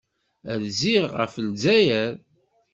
Rziɣ ɣef Lezzayer.